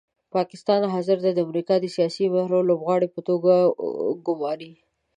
پاکستان حاضر دی د امریکا د سیاسي مهرو لوبغاړو په توګه ګوماري.